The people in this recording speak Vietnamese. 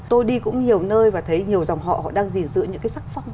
tôi đi cũng nhiều nơi và thấy nhiều dòng họ họ đang gìn giữ những cái sắc phong